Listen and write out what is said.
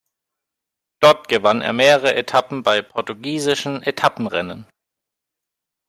Dort gewann er mehrere Etappen bei portugiesischen Etappenrennen.